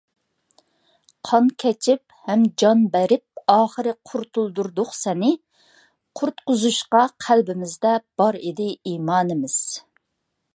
ﻗﺎﻥ كەچىپ ﮪﻪﻡ ﺟﺎﻥ بەرﯨﭗ، ﺋﺎﺧﯩﺮ ﻗﯘرﺗﯘﻟﺪﯗﺭﺩﯗﻕ سەنى، ﻗﯘرﺗﻘﯘﺯﯗﺷﻘﺎ ﻗﻪﻟﺒﯩﻤﯩﺰﺩﻩ ﺑﺎﺭ ﺋﯩﺪﻯ ﺋﯩﻤﺎﻧﯩﻤﯩﺰ.